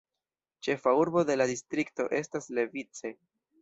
Ĉefa urbo de la distrikto estas Levice.